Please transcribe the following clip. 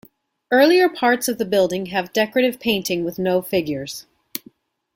Earlier parts of the building have decorative painting with no figures.